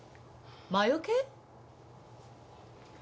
魔よけ？